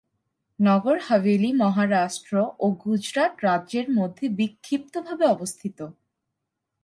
নগর হাভেলি মহারাষ্ট্র ও গুজরাট রাজ্যের মধ্যে বিক্ষিপ্তভাবে অবস্থিত।